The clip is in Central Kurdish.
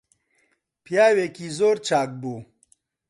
پیاوێکی زۆر چاک بوو